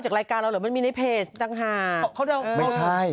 แต่ผมก็ไม่ได้บอกว่ามันเป็นเขานะ